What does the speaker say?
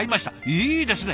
いいですね